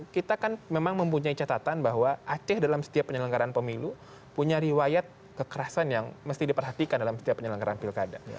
kita kan memang mempunyai catatan bahwa aceh dalam setiap penyelenggaran pemilu punya riwayat kekerasan yang mesti diperhatikan dalam setiap penyelenggaran pilkada